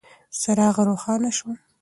څراغ روښانه شو.